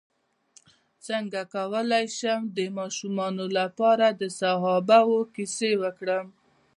څنګه کولی شم د ماشومانو لپاره د صحابه وو کیسې وکړم